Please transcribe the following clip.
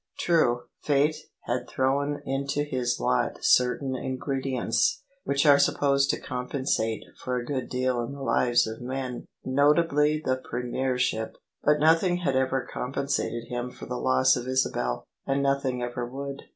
True, Fate had thrown into his lot certain ingredients which are supposed to compensate for a good deal in the lives of men — ^notably the Premiership: but nothing had ever compensated him for the loss of Isabel, and nothing ever would.